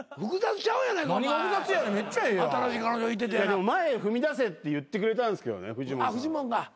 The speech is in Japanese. でも前へ踏み出せって言ってくれたんすけどフジモンさん。